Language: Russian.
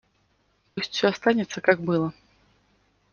Пусть все останется, как было.